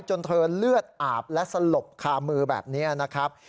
จนเธอเลือดอาบและสลบคามือแบบนี้นะครับ